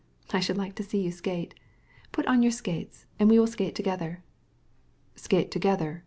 "I should so like to see how you skate. Put on skates, and let us skate together." "Skate together!